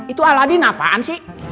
itu aladi napaan sih